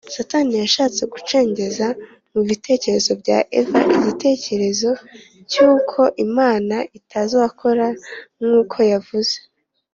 Satani yashatse gucengeza mu bitekerezo bya Eva igitekerezo cy’uko Imana itazakora nkuko yavuze